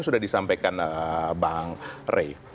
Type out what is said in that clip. sudah disampaikan bang ray